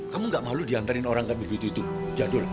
kamu gak malu diantarin orang ke begitu begitu jadul